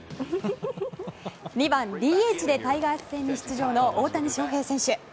２番ＤＨでタイガース戦に出場の大谷翔平選手。